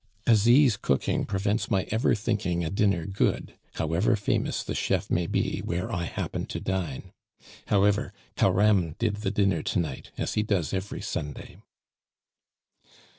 "Asie's cooking prevents my ever thinking a dinner good, however famous the chef may be, where I happen to dine. However, Careme did the dinner to night, as he does every Sunday."